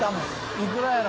いくらやろ？